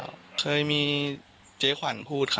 ฟังเสียงลูกจ้างรัฐตรเนธค่ะ